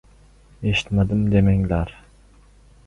Eshitmadim demanglar!